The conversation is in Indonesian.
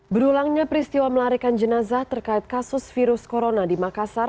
berulangnya peristiwa melarikan jenazah terkait kasus virus corona di makassar